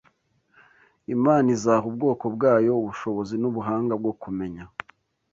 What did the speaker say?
Imana izaha ubwoko bwayo ubushobozi n’ubuhanga bwo kumenya